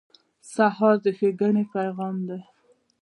سهار د ښېګڼې پیغام دی.